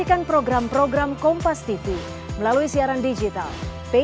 enggak saya mau ngecek dulu